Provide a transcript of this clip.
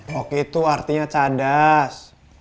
rock itu artinya cadas